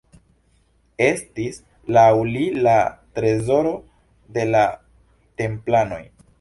Estis laŭ li la trezoro de la templanoj.